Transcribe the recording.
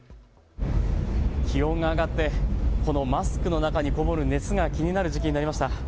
気温が上がってこのマスクの中にこもる熱が気になる時期になりました。